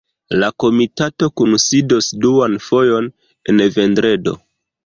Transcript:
La komitato kunsidos duan fojon en vendredo.